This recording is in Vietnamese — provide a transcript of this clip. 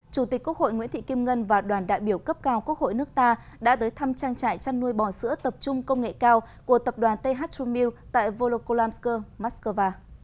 chủ tịch quốc hội nguyễn thị kim ngân và đoàn đại biểu cấp cao quốc hội nước ta đã tới thăm trang trại chăn nuôi bò sữa tập trung công nghệ cao của tập đoàn th true meal tại volokolamsko moscow